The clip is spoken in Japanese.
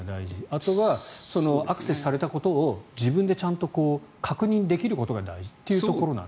あとはアクセスされたことを自分でちゃんと確認できることが大事なのかな。